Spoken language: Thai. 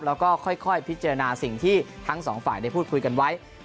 แล้วก็ค่อยพิจารณาสิ่งที่ทั้งสองฝ่ายได้พูดคุยกันไว้